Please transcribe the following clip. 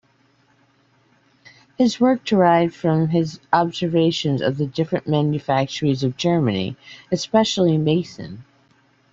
This work derived from his observations of the different manufacturies of Germany, especially Meissen.